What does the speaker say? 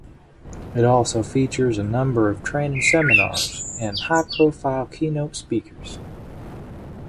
It also features a number of training seminars and high-profile keynote speakers.